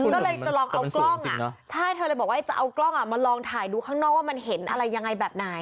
ก็เลยจะลองเอากล้องอ่ะใช่เธอเลยบอกว่าจะเอากล้องมาลองถ่ายดูข้างนอกว่ามันเห็นอะไรยังไงแบบไหน